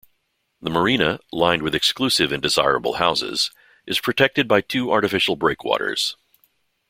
The marina, lined with exclusive and desirable houses, is protected by two artificial breakwaters.